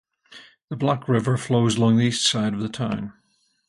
The Black River flows along the east side of the town.